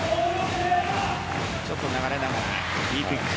ちょっと流れながらＢクイック。